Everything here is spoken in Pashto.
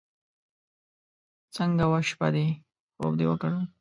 څنګه وه شپه دې؟ خوب دې وکړو.